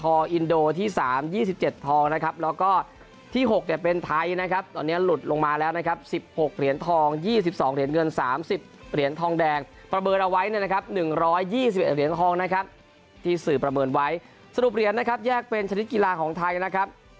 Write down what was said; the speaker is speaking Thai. พออินโดที่๓๒๗ทองนะครับแล้วก็ที่๖เนี่ยเป็นไทยนะครับตอนนี้หลุดลงมาแล้วนะครับ๑๖เหรียญทอง๒๒เหรียญเงิน๓๐เหรียญทองแดงประเมินเอาไว้เนี่ยนะครับ๑๒๑เหรียญทองนะครับที่สื่อประเมินไว้สรุปเหรียญนะครับแยกเป็นชนิดกีฬาของไทยนะครับ